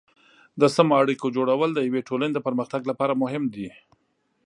د سمو اړیکو جوړول د یوې ټولنې د پرمختګ لپاره مهم دي.